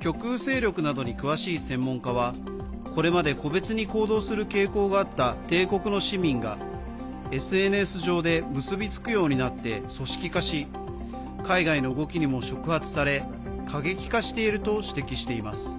極右勢力などに詳しい専門家はこれまで個別に行動する傾向があった帝国の市民がＳＮＳ上で結びつくようになって組織化し海外の動きにも触発され過激化していると指摘しています。